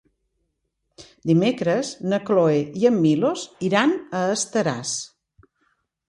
Dimecres na Cloè i en Milos iran a Estaràs.